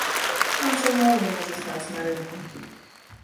Шанцаў мала ў нас застацца на рынку.